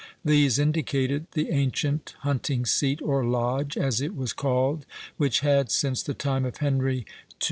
These indicated the ancient hunting seat, or Lodge, as it was called, which had, since the time of Henry II.